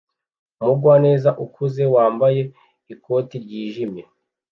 Umugwaneza ukuze wambaye ikote ryijimye